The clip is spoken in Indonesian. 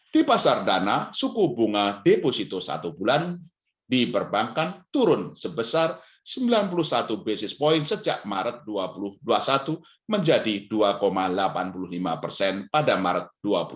di pasar dana suku bunga deposito satu bulan di perbankan turun sebesar sembilan puluh satu basis point sejak maret dua ribu dua puluh satu menjadi dua delapan puluh lima persen pada maret dua ribu dua puluh